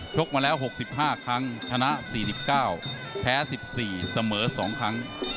กมาแล้ว๖๕ครั้งชนะ๔๙แพ้๑๔เสมอ๒ครั้ง